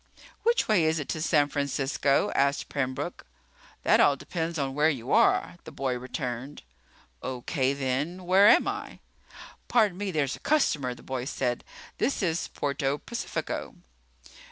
"Which way is it to San Francisco?" asked Pembroke. "That all depends on where you are," the boy returned. "Okay, then where am I?" "Pardon me, there's a customer," the boy said. "This is Puerto Pacifico."